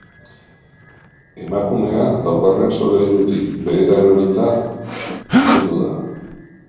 Emakumea laugarren solairutik behera erorita zendu da.